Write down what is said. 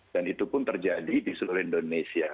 dan itu pun terjadi di seluruh indonesia